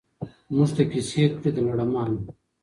موږ ته کیسې کړي د لړمانو